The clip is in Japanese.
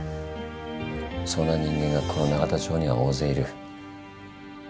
そんな人間がこの永田町には大勢いる。